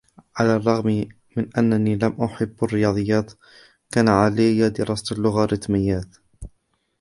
على الرغم من أنني لم أكن أحب الرياضيات ، كان عليِ دراسة اللوغاريتمات.